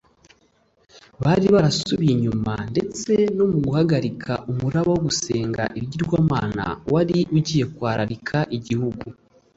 bari barasubiye inyuma ndetse no mu guhagarika umuraba wo gusenga ibigirwamana wari ugiye kwararika igihugu